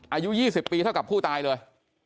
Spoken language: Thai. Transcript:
อายุ๒๐ปีเท่ากับผู้ตายเลย